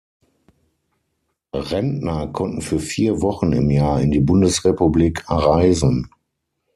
Rentner konnten für vier Wochen im Jahr in die Bundesrepublik reisen.